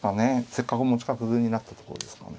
せっかく持ち角になったところですからね。